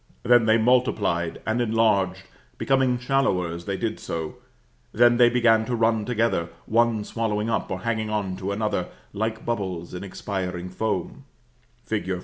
Then they multiplied and enlarged, becoming shallower as they did so; then they began to run together, one swallowing up, or hanging on to, another, like bubbles in expiring foam fig.